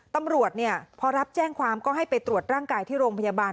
ตำรวจพอรับแจ้งความก็ให้ไปตรวจร่างกายที่โรงพยาบาล